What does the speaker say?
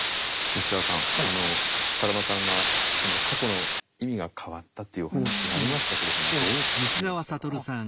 西澤さん風間さんが過去の意味が変わったというお話がありましたけれどもどう聞きましたか？